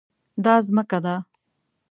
دا ځمکه ده